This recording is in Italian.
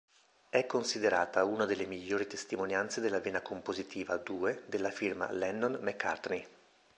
È considerata una delle migliori testimonianze della vena compositiva "a due" della "firma" Lennon-McCartney.